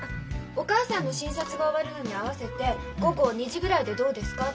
お母さんの診察が終わるのに合わせて午後２時ぐらいでどうですかって。